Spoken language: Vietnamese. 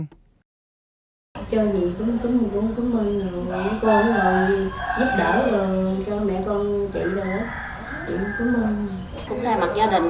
chơi nhiều cũng không có mưu